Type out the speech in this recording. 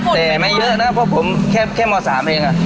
แต่ไม่เยอะนะเพราะผมแค่ม๓เอง